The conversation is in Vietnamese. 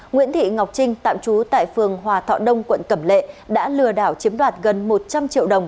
nguyễn thị ngọc trinh tạm trú tại phường hòa thọ đông quận cẩm lệ đã lừa đảo chiếm đoạt gần một trăm linh triệu đồng